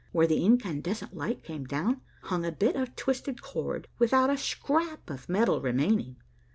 Where the incandescent light came down, hung a bit of twisted cord, without a scrap of metal remaining.